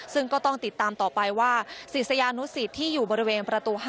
ซึ่งก็ต้องติดตามต่อไปว่าศิษยานุสิตที่อยู่บริเวณประตู๕